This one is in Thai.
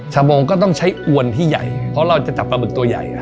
โมงก็ต้องใช้อวนที่ใหญ่เพราะเราจะจับปลาบึกตัวใหญ่